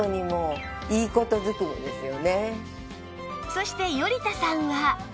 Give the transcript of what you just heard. そして依田さんは